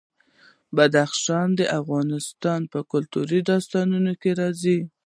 بدخشان د افغان کلتور په داستانونو کې راځي.